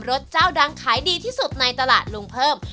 สเจ้าดังขายดีที่สุดในตลาดลุงเพิ่ม